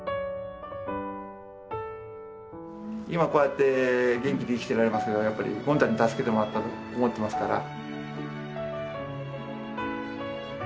今こうやって元気で生きてられますけどやっぱりゴン太に助けてもらったと思ってますから。